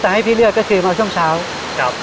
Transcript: ให้พี่เลือกก็คือมาช่วงเช้าครับ